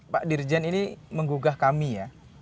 pak dirjen ini menggugah kami ya